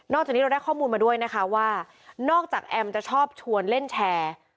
จากนี้เราได้ข้อมูลมาด้วยนะคะว่านอกจากแอมจะชอบชวนเล่นแชร์